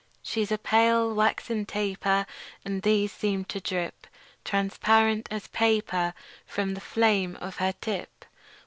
She's a pale, waxen taper; And these seem to drip Transparent as paper From the flame of her tip.